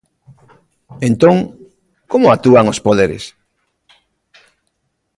Entón como actúan os poderes?